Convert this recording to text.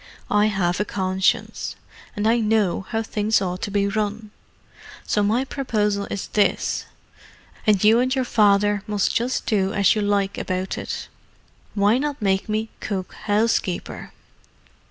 I have a conscience: and I know how things ought to be run. So my proposal is this, and you and your father must just do as you like about it. Why not make me cook housekeeper?"